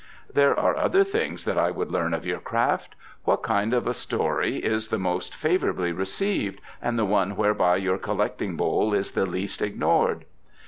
"There are other things that I would learn of your craft. What kind of story is the most favourably received, and the one whereby your collecting bowl is the least ignored?"